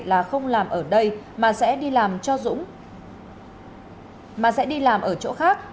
là không làm ở đây mà sẽ đi làm cho dũng mà sẽ đi làm ở chỗ khác